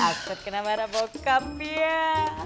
akses kena marah bokap ya